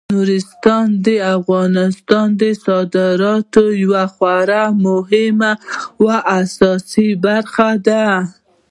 نورستان د افغانستان د صادراتو یوه خورا مهمه او اساسي برخه ده.